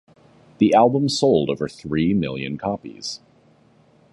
The album sold over three million copies.